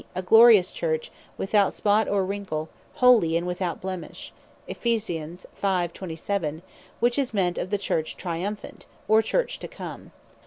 "A Glorious Church, without spot, or wrinkle, holy, and without blemish;" which is meant of the Church Triumphant, or, Church To Come.